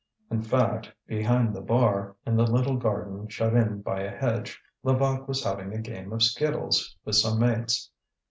In fact, behind the bar, in the little garden shut in by a hedge, Levaque was having a game of skittles with some mates.